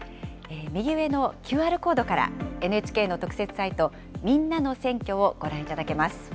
右上のＱＲコードから、ＮＨＫの特設サイト、みんなの選挙をご覧いただけます。